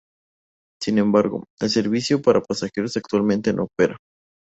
Sin embargo, el servicio para pasajeros actualmente no opera.